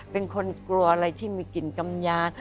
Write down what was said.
เป็นคนกลัวอะไรที่มีกลิ่นกำยา